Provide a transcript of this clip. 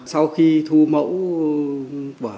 sau khi thu mẫu